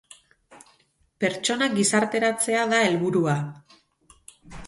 Pertsonak gizarteratzea da helburua.